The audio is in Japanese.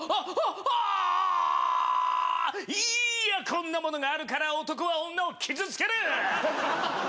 こんなものがあるから男は女を傷つける！